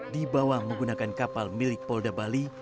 dibawa menggunakan kapal milik polda bali